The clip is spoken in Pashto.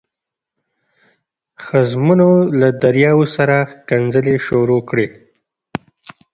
ښځمنو له دریاو سره ښکنځلې شروع کړې.